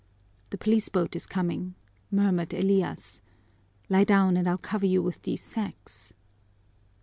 "The police boat is coming," murmured Elias. "Lie down and I'll cover you with these sacks."